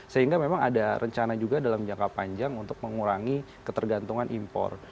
sehingga memang ada rencana juga dalam jangka panjang untuk mengurangi ketergantungan impor